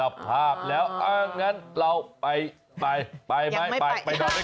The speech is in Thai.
ชวนเพื่อนไปด้วย